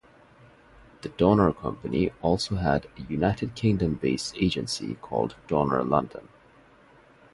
The Doner Company also has a United Kingdom-based agency called Doner London.